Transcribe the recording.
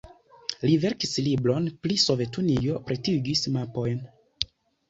Li verkis libron pri Sovetunio, pretigis mapojn.